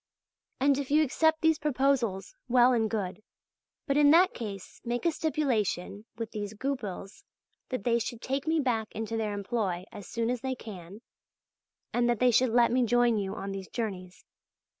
And if you accept these proposals, well and good; but in that case make a stipulation with these Goupils that they should take me back into their employ as soon as they can, and that they should let me join you on these journeys.